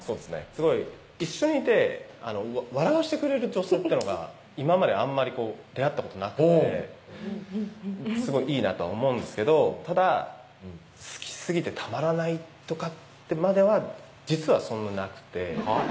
すごい一緒にいて笑わしてくれる女性ってのが今まであんまり出会った事なくてすごいいいなとは思うんですけどただ好きすぎてたまらないとかってまでは実はそんななくてはぁ？